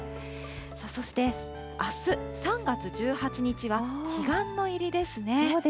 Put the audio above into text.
そしてあす３月１８日は彼岸の入りですね。